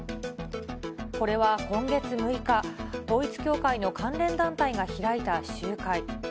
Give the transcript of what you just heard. これは今月６日、統一教会の関連団体が開いた集会。